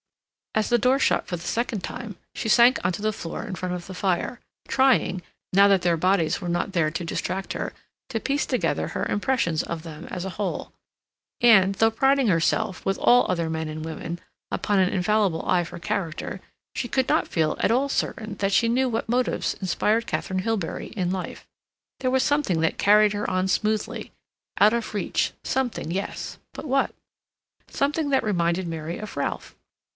As the door shut for the second time, she sank on to the floor in front of the fire, trying, now that their bodies were not there to distract her, to piece together her impressions of them as a whole. And, though priding herself, with all other men and women, upon an infallible eye for character, she could not feel at all certain that she knew what motives inspired Katharine Hilbery in life. There was something that carried her on smoothly, out of reach—something, yes, but what?—something that reminded Mary of Ralph.